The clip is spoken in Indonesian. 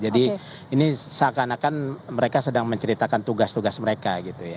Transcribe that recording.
jadi ini seakan akan mereka sedang menceritakan tugas tugas mereka gitu ya